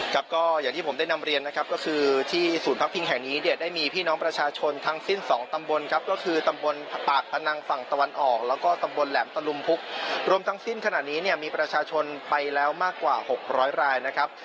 ครับก็อย่างที่ผมได้นำเรียนนะครับก็คือที่ศูนย์พักพิงแห่งนี้เนี่ยได้มีพี่น้องประชาชนทั้งสิ้นสองตำบลครับก็คือตำบลปากพนังฝั่งตะวันออกแล้วก็ตำบลแหลมตะลุมพุกรวมทั้งสิ้นขณะนี้เนี่ยมีประชาชนไปแล้วมากกว่าหกร้อยรายนะครับ